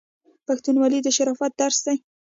پښتونولي د شرافت درس دی.